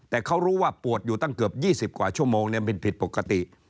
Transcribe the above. แต่เขารู้ว่าปวดอยู่ตั้งเกือบ๒๐กว่าชั่วโมงมันผิดปกติ